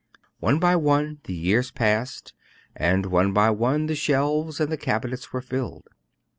"One by one the years passed, and one by one the shelves and the cabinets were filled.